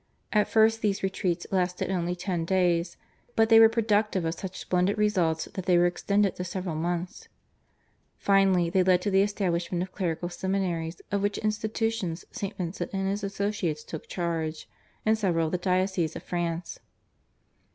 At first these retreats lasted only ten days, but they were productive of such splendid results that they were extended to several months. Finally they led to the establishment of clerical seminaries, of which institutions St. Vincent and his associates took charge in several of the dioceses of France.